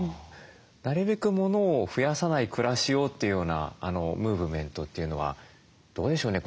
なるべく物を増やさない暮らしをというようなムーブメントというのはどうでしょうね